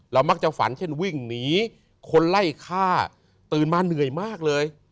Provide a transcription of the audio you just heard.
มักจะฝันเช่นวิ่งหนีคนไล่ฆ่าตื่นมาเหนื่อยมากเลย